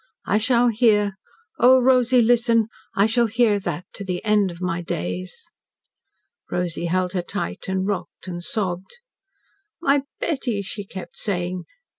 I shall hear O Rosy, listen! I shall hear that to the end of my days." Rosy held her tight, and rocked and sobbed. "My Betty," she kept saying.